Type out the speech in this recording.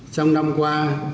trong năm qua